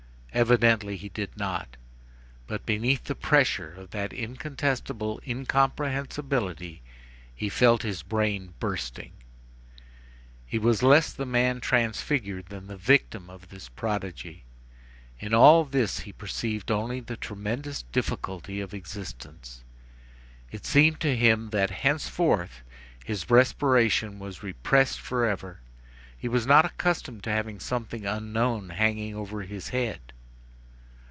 Evidently he did not. But beneath the pressure of that incontestable incomprehensibility he felt his brain bursting. He was less the man transfigured than the victim of this prodigy. In all this he perceived only the tremendous difficulty of existence. It seemed to him that, henceforth, his respiration was repressed forever. He was not accustomed to having something unknown hanging over his head.